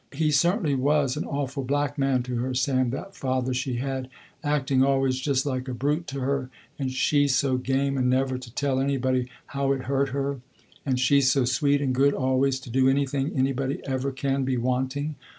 He certainly was an awful black man to her Sam, that father she had, acting always just like a brute to her and she so game and never to tell anybody how it hurt her. And she so sweet and good always to do anything anybody ever can be wanting.